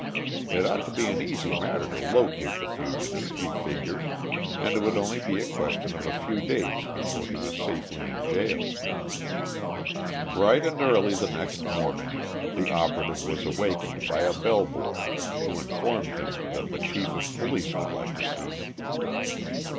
It ought to be an easy matter to locate the fugitive, he figured, and it would only be a question of a few days before he was safely in jail. Bright and early the next morning the operative was awakened by a bell boy who informed him that the chief of police would like to see him.